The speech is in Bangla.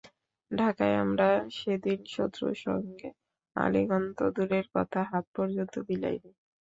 ঢাকায় আমরা সেদিন শত্রুর সঙ্গে আলিঙ্গন তো দূরের কথা, হাত পর্যন্ত মিলাইনি।